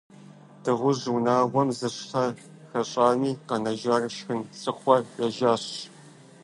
Дыгъужь унагъуэм зы щхьэ хэщӀами, къэнэжахэр шхын лъыхъуэ ежьащ.